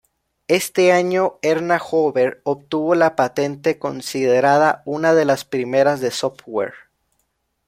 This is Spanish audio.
Este año, Erna Hoover obtuvo la patente, considerada una de las primeras de software.